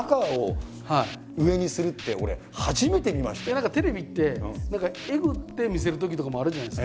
何かテレビってえぐって見せるときとかもあるじゃないですか。